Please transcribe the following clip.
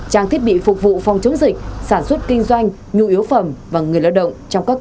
trang thiết bị phục vụ phòng chống dịch sản xuất kinh doanh nhu yếu phẩm và người lao động